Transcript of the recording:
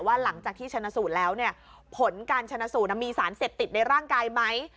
ว่าหลังจากที่ชนะสูดแล้วผลการชนะสูดมีสารเสร็จติดในร่างกายไหม